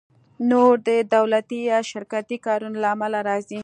نور د دولتي یا شرکتي کارونو له امله راځي